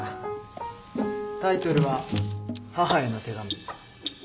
タイトルは『母への手紙』